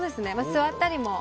座ったりも。